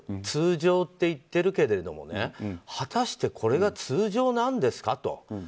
通常っていってるけれども果たしてこれが通常なんですかと。